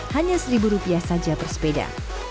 hanya seribu rupiah saja per sepeda